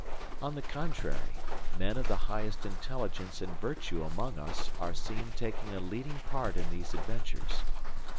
On the contrary, men of the highest intelligence and virtue among us are seen taking a leading part in these adventures.